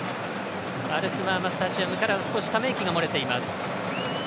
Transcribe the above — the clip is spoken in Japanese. アルスマーマスタジアムから少しため息が漏れています。